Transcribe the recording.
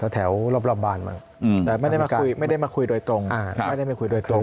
แถวรอบบ้านบ้างแต่ไม่ได้มาคุยไม่ได้มาคุยโดยตรงไม่ได้มาคุยโดยตรง